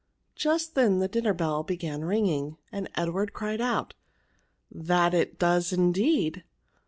Just then the dinner bell began ringing, and Edward cried out, '^ That it does indeed.